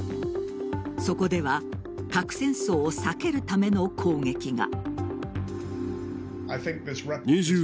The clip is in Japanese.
そこでは核戦争を避けるための攻撃が。